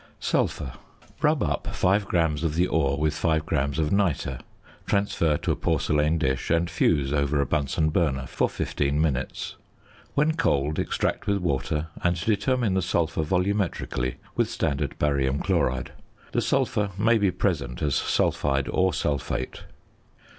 ~Sulphur.~ Rub up 5 grams of the ore with 5 grams of nitre, transfer to a porcelain dish, and fuse over a Bunsen burner for fifteen minutes. When cold, extract with water, and determine the sulphur volumetrically with standard barium chloride. The sulphur may be present as sulphide or sulphate.